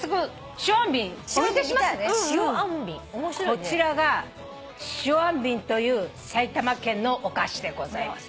こちらが塩あんびんという埼玉県のお菓子でございます。